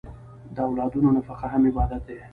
د اولادونو نفقه هم عبادت دی.